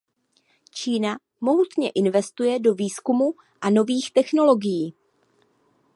Čína mohutně investuje do výzkumu a nových technologií.